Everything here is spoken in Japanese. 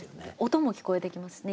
音も聞こえてきますしね。